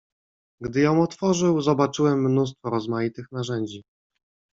"Gdy ją otworzył, zobaczyłem mnóstwo rozmaitych narzędzi."